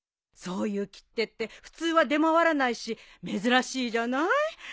そういう切手って普通は出回らないし珍しいじゃない？